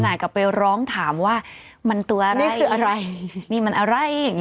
ดีน่ะกินของออร์แกนิคก็สงสารผู้ประกอบการไม่อยากไปซ้ำเติมอะไรแข็งแด๋ว